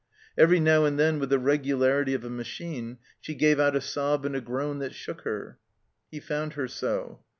Every now and then, with the regularity of a machine, she gave out a sob and a groan that shook her. He found her so.